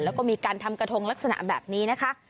แล้วก็มีการทำกระทงลักษณะแบบนี้นะคะ